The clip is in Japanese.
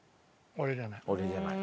俺じゃない。